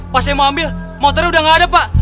pas saya mau ambil motornya udah gak ada pak